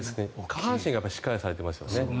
下半身がしっかりされていますよね。